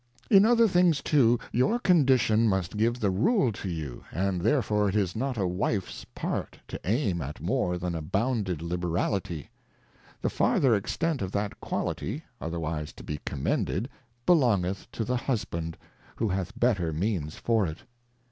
In other things too, your Condition must give the rule to you, and therefore it is not a Wife's part to aim at more than a bounded Liberality ; the farther extent of that Quality (other wise to be commended) belongeth to the Husband, who hath better means for it.